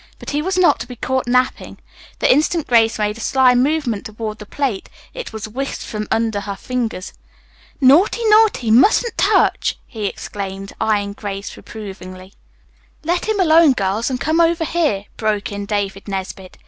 But he was not to be caught napping. The instant Grace made a sly movement toward the plate it was whisked from under her fingers. "Naughty, naughty, mustn't touch!" he exclaimed, eyeing Grace reprovingly. "Let him alone, girls, and come over here," broke in David Nesbit.